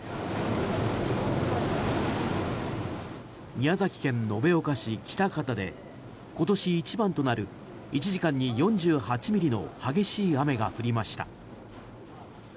宮崎県延岡市北方で今年一番となる１時間に４８ミリの激しい雨が降りました。